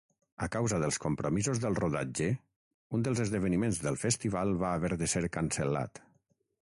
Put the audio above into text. A causa dels compromisos del rodatge, un dels esdeveniments del festival va haver de ser cancel·lat.